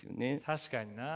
確かにな。